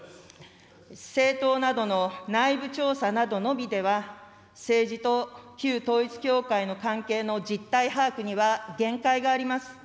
政党などの内部調査などのみでは、政治と旧統一教会の関係の実態把握には、限界があります。